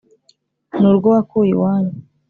ni urwo wakuye iwanyu